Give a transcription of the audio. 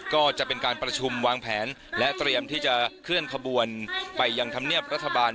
ก็จะเป็นการประชุมวางแผนและเตรียมที่จะเคลื่อนขบวนไปยังธรรมเนียบรัฐบาล